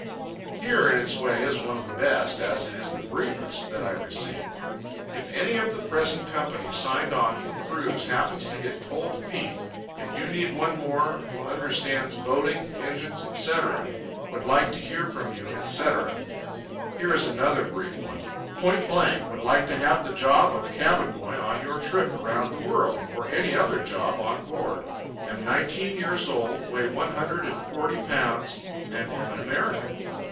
Here, in its way, is one of the best, as it is the briefest, that I received: "If any of the present company signed on for cruise happens to get cold feet and you need one more who understands boating, engines, etc., would like to hear from you, etc." Here is another brief one: "Point blank, would like to have the job of cabin boy on your trip around the world, or any other job on board. Am nineteen years old, weigh one hundred and forty pounds, and am an American."